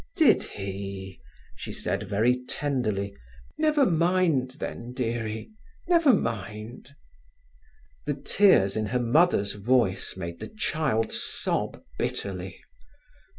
"Did he?" she said very tenderly. "Never mind, then, dearie—never mind." The tears in her mother's voice made the child sob bitterly.